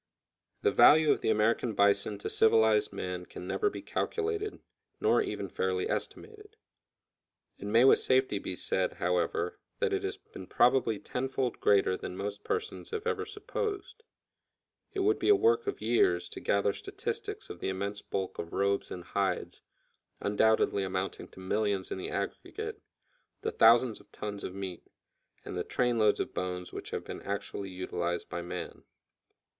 The value of the American bison to civilized man can never be calculated, nor even fairly estimated. It may with safety be said, however, that it has been probably tenfold greater than most persons have ever supposed. It would be a work of years to gather statistics of the immense bulk of robes and hides, undoubtedly amounting to millions in the aggregate; the thousands of tons of meat, and the train loads of bones which have been actually utilized by man.